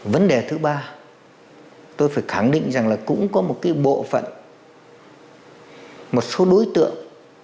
vấn đề thứ ba tôi phải khẳng định rằng là cũng có một cái bộ phận một số đối tượng